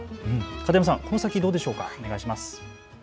片山さん、この先どうでしょうか。